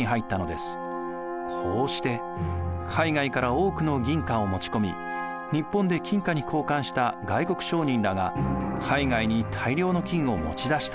こうして海外から多くの銀貨を持ち込み日本で金貨に交換した外国商人らが海外に大量の金を持ち出したのです。